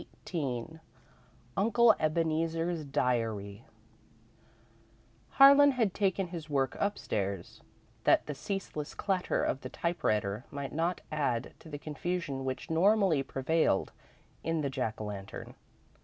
XVIII Uncle Ebeneezer's Diary Harlan had taken his work upstairs, that the ceaseless clatter of the typewriter might not add to the confusion which normally prevailed in the Jack o' Lantern.